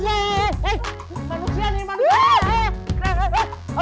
manusia nih manusia